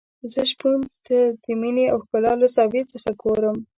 زه شپون ته د مينې او ښکلا له زاویې څخه ګورم.